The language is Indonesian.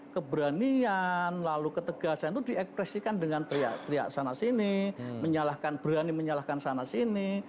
keberanian lalu ketegasan itu diekspresikan dengan teriak teriak sana sini berani menyalahkan sana sini